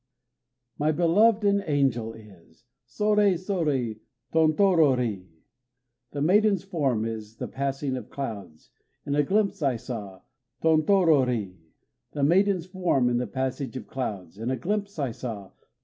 _ My beloved an angel is! Soré soré! Tontorori! The maiden's form, In the passing of clouds, In a glimpse I saw! Tontorori! The maiden's form, In the passage of clouds, In a glimpse I saw!